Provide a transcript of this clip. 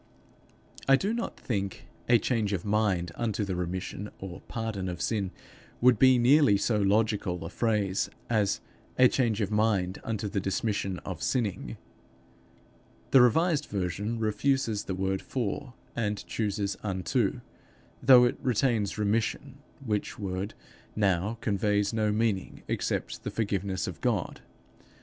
I do not think a change of mind unto the remission or pardon of sin would be nearly so logical a phrase as a change of mind unto the dismission of sinning. The revised version refuses the word for and chooses unto, though it retains remission, which word, now, conveys no meaning except the forgiveness of God.